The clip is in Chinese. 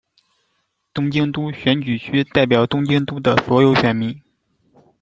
东京都选举区代表东京都的所有选民。